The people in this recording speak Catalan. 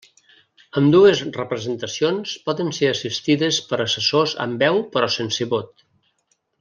Ambdues representacions poden ser assistides per assessors amb veu però sense vot.